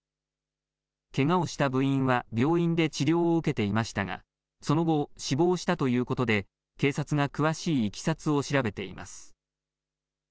けがをした部員は病院で治療を受けていましたが、その後、死亡したということで、警察が詳しいいきさつを調べています。